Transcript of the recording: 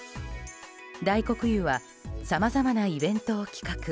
大黒湯はさまざまなイベントを企画。